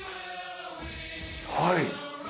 はい！